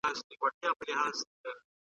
احمد پرون خپل کتاب ولیکی.